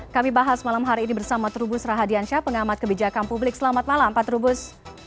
kami bahas malam hari ini bersama trubus rahadiansyah pengamat kebijakan publik selamat malam pak trubus